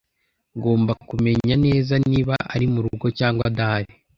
Ngomba kumenya neza niba ari murugo cyangwa adahari.